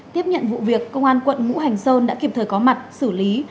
tiếp nhận vụ việc công an quận ngũ hành sơn đã kịp thời có mặt xử lý